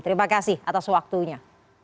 terima kasih atas waktunya